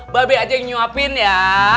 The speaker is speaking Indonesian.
babi aja yang nyuapin ya